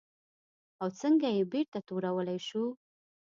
او څنګه یې بېرته تورولی شو؟